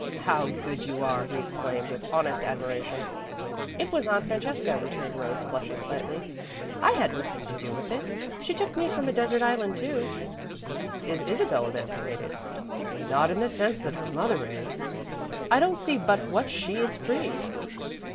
"How good you are!" he exclaimed, with honest admiration. "It was Aunt Francesca," returned Rose, flushing slightly. "I had nothing to do with it. She took me from a desert island, too." "Is Isabel emancipated?" "Not in the sense that her mother is." "I don't see but what she is free."